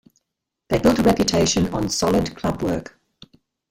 They built a reputation on solid club work.